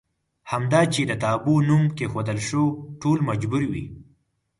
همدا چې د تابو نوم کېښودل شو ټول مجبور وي.